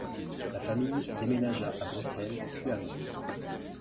La famille déménagea à Bruxelles puis à Londres.